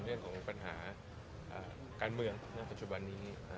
เรื่องของปัญหาการเมืองณปัจจุบันนี้